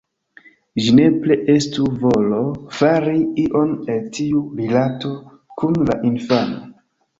Ĝi nepre estu volo fari ion el tiu rilato kun la infano.